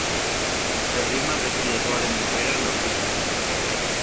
Errima beti lerroaren bukaeran aurkitzen da.